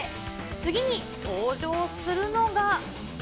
次に登場するのが。